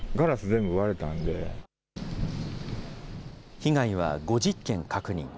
被害は５０軒確認。